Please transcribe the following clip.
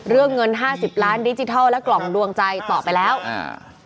เรื่องเงินห้าสิบล้านดิจิทัลและกล่องดวงใจต่อไปแล้วอ่า